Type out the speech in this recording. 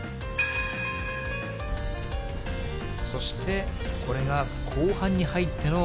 そして、これが後半に入っての。